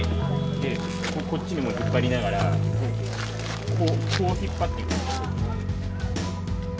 でこっちにも引っ張りながらこうこう引っ張っていく。